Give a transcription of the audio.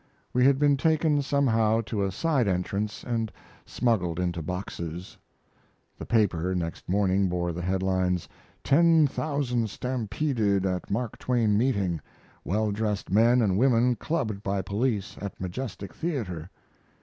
We had been taken somehow to a side entrance and smuggled into boxes. [The paper next morning bore the head lines: "10,000 Stampeded at the Mark Twain Meeting. Well dressed Men and Women Clubbed by Police at Majestic Theater."